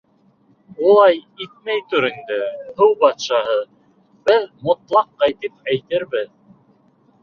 — Улай итмәй тор инде, Һыу батшаһы, беҙ мотлаҡ ҡайтып әйтербеҙ.